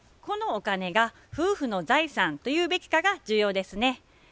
このお金が夫婦の財産と言うべきかが重要ですね。